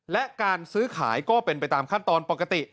และการซื้อขายก็เป็นไปตามขั้นตอนปกติ